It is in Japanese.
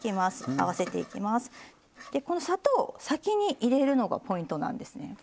この砂糖を先に入れるのがポイントなんですね。